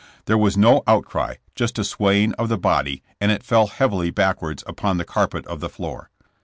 There was no outcry ; just a swajdng of the body and it fell heavily backwards upon the carpet of the floor.